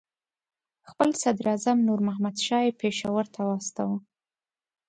خپل صدراعظم نور محمد شاه یې پېښور ته واستاوه.